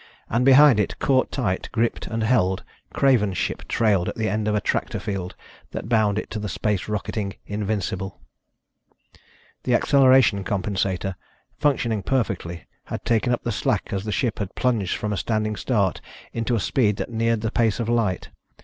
And behind it, caught tight, gripped and held, Craven's ship trailed at the end of a tractor field that bound it to the space rocketing Invincible. The acceleration compensator, functioning perfectly, had taken up the slack as the ship had plunged from a standing start into a speed that neared the pace of light.